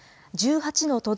１８の都